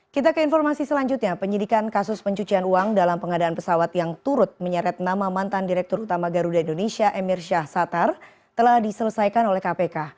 kita ke informasi selanjutnya penyidikan kasus pencucian uang dalam pengadaan pesawat yang turut menyeret nama mantan direktur utama garuda indonesia emir syahsatar telah diselesaikan oleh kpk